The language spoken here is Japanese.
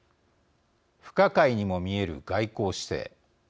不可解にも見える外交姿勢